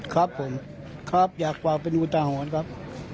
ครับผมครับอยากฝากเป็นอุทาหรณ์ครับ